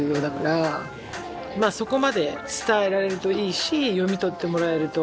まあそこまで伝えられるといいし読み取ってもらえると。